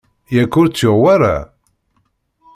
Yak ur tt-yuɣ wara?